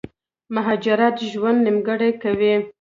مهاجرت ژوند نيمګړی کوي